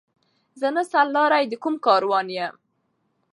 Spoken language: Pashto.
زه نه سر لاری د کوم کاروان یم